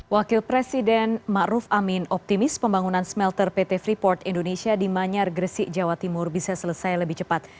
wakil presiden ⁇ maruf ⁇ amin optimis pembangunan smelter pt freeport indonesia di manyar gresik jawa timur bisa selesai lebih cepat